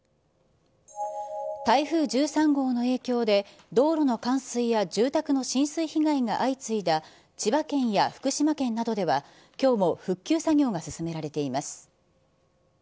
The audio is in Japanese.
台風１３号の影響で、道路の冠水や住宅の浸水被害が相次いだ千葉県や福島県などでは、きょうも復旧作業が進められています。